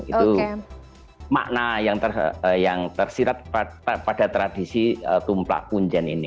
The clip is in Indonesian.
itu makna yang tersirat pada tradisi tumplak punjen ini